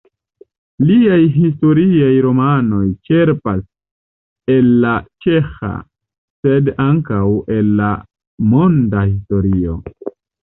Liaj historiaj romanoj ĉerpas el la ĉeĥa, sed ankaŭ el la monda historio.